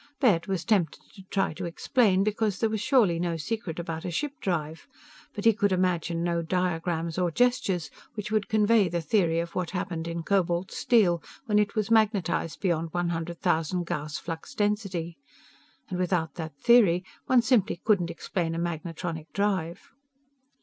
Baird was tempted to try to explain, because there was surely no secret about a ship drive, but he could imagine no diagrams or gestures which would convey the theory of what happened in cobalt steel when it was magnetized beyond one hundred thousand Gauss' flux density. And without that theory one simply couldn't explain a magnetronic drive.